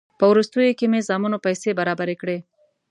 په وروستیو کې مې زامنو پیسې برابرې کړې.